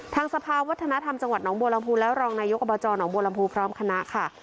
ทางสภาวัฒนธรรมจังหวัดหนองบัวลำพูและรองนายกอบจหนองบัวลำพูพร้อมคณะค่ะ